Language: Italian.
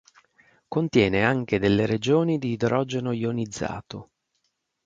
Contiene anche delle regioni di idrogeno ionizzato.